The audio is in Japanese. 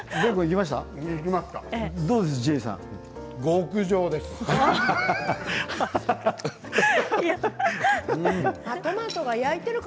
どうですか？